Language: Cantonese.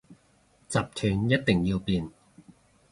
集團一定要變